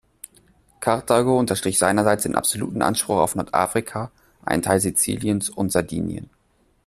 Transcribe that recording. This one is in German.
Karthago unterstrich seinerseits den absoluten Anspruch auf Nordafrika, einen Teil Siziliens und Sardinien.